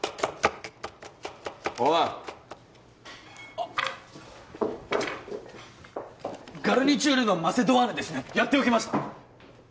あッガルニチュールのマセドワーヌですねやっておきました